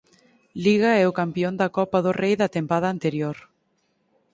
Liga e o campión da Copa do Rei da tempada anterior.